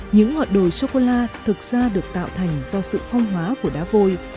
những ngọn đồi sô cô la thực ra được tạo thành do sự phong hóa của đá vôi